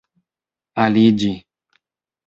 aliĝi